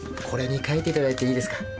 これに書いていただいていいですか？